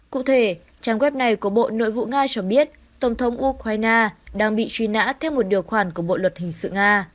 cụ thể trang web này của bộ nội vụ nga cho biết tổng thống ukraine đang bị truy nã theo một điều khoản của bộ luật hình sự nga